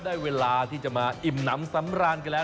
ได้เวลาที่จะมาอิ่มน้ำสำราญกันแล้ว